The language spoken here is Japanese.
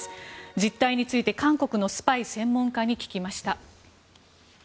実態について韓国のスパイ専門家に聞きました。